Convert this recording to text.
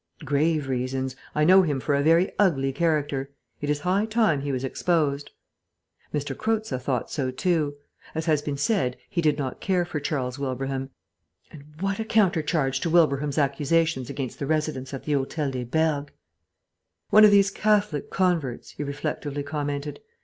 "Grave reasons. I know him for a very ugly character. It is high time he was exposed." M. Croza thought so too. As has been said, he did not care for Charles Wilbraham. And what a counter charge to Wilbraham's accusations again the residents at the Hotel des Bergues! "One of these Catholic converts," he reflectively commented.